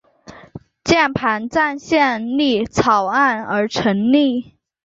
键盘战线条例草案而成立。